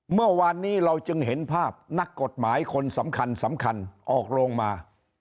เมื่อวานนี้เราจึงเห็นภาพนักกฎหมายคนสำคัญสำคัญออกโรงมา